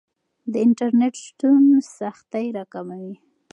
د انټرنیټ شتون سختۍ راکموي.